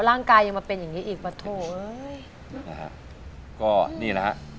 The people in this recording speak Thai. ร่างกายยังมาเป็นอย่างงี้อีกปะโถ่เอ้ยนะฮะก็นี่แหละฮะ